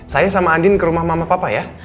saya sama andin ke rumah mama papa ya